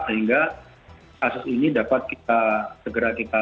sehingga kasus ini dapat kita